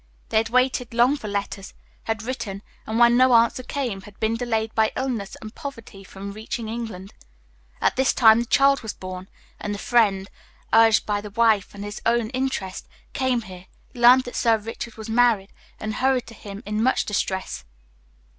They had waited long for letters, had written, and, when no answer came, had been delayed by illness and poverty from reaching England. At this time the child was born, and the friend, urged by the wife and his own interest, came here, learned that Sir Richard was married, and hurried to him in much distress.